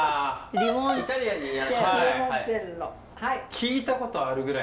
聞いたことあるぐらいですでも。